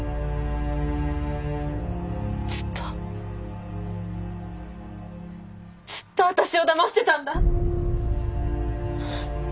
ずっとずっと私をだましてたんだ。